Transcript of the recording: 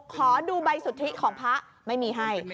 ขอดูใบสุทธิของพระไม่มีให้